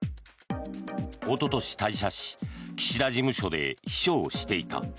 おととし退社し岸田事務所で秘書をしていた。